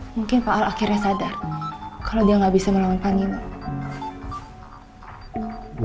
mungkin pak al akhirnya sadar kalau dia nggak bisa melawan pandemi